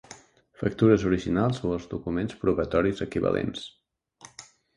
Factures originals o els documents probatoris equivalents.